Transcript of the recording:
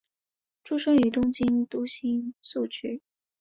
出身于东京都新宿区。